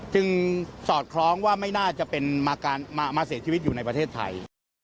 สอดคล้องว่าไม่น่าจะมาเสียชีวิตอยู่ในประเทศไทย